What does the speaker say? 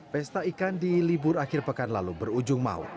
pesta ikan di libur akhir pekan lalu berujung maut